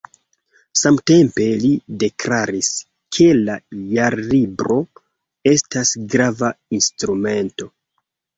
Samtempe li deklaris, ke la Jarlibro estas grava instrumento.